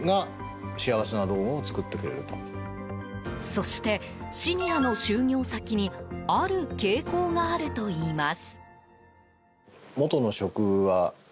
そして、シニアの就業先にある傾向があるといいます。